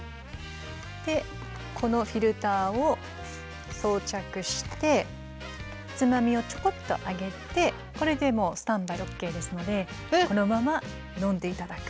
でこのフィルターを装着してつまみをちょこっと上げてこれでもうスタンバイＯＫですのでこのまま飲んで頂く。